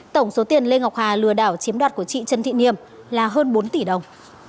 tổng số tiền lê ngọc hà lừa đảo chiếm đoạt của chị trần thị niềm là hơn bốn tỷ đồng